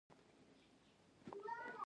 جګړه د ټولنې بنسټونه خرابوي